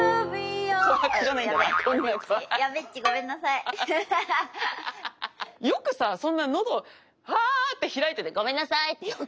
よくさそんな喉をハーって開いてて「ごめんなさい」ってよく言えるよね。